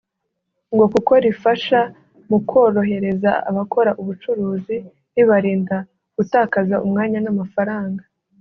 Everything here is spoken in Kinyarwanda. ngo kuko rifasha mu korohereza abakora ubucuruzi ribarinda gutakaza umwanya n’amafaranga